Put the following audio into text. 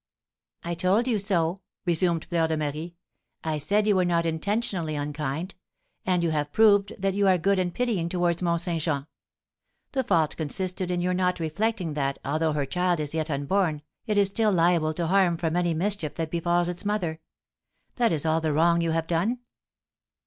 "I told you so," resumed Fleur de Marie. "I said you were not intentionally unkind; and you have proved that you are good and pitying towards Mont Saint Jean. The fault consisted in your not reflecting that, although her child is yet unborn, it is still liable to harm from any mischief that befalls its mother. That is all the wrong you have done."